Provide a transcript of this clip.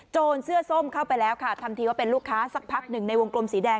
เสื้อส้มเข้าไปแล้วค่ะทำทีว่าเป็นลูกค้าสักพักหนึ่งในวงกลมสีแดง